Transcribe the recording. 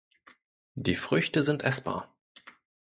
Die Früchte sind essbar.